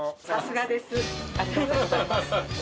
ありがとうございます。